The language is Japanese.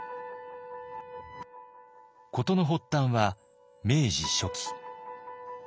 事の発端は明治初期。